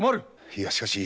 いやしかし。